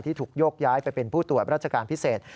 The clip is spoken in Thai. ถูกโยกย้ายไปเป็นผู้ตรวจราชการพิเศษ